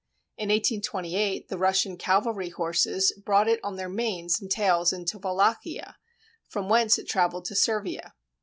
In 1828 the Russian cavalry horses brought it on their manes and tails into Wallachia, from whence it travelled to Servia.